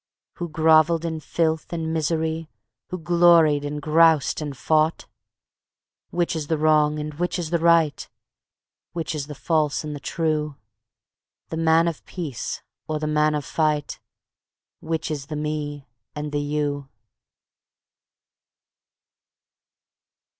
Who groveled in filth and misery, Who gloried and groused and fought? Which is the wrong and which is the right? Which is the false and the true? The man of peace or the man of fight? Which is the ME and the YOU?"